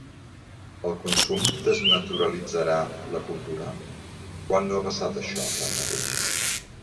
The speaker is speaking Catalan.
El consum desnaturalitzarà la cultura? Quan no ha passat això, tanmateix?